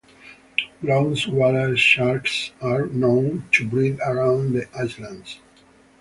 Bronze whaler sharks are known to breed around the islands.